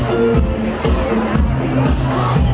ไม่ต้องถามไม่ต้องถาม